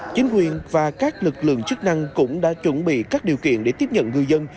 chính quyền và các lực lượng chức năng cũng đã chuẩn bị các điều kiện để tiếp nhận ngư dân